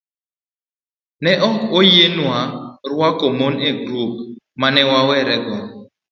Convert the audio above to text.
Ne ok oyienwa rwako mon e grup ma ne wawerego.